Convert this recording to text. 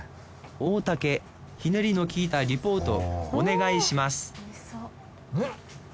大竹ひねりのきいたリポートお願いします美味しそう。